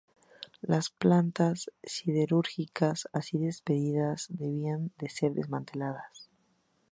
Las plantas siderúrgicas así despedidas debían ser desmanteladas.